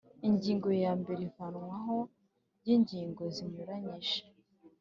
Ingingo ya mbere Ivanwaho ry ingingo zinyuranyije